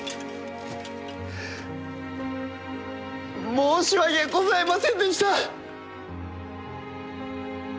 申し訳ございませんでした！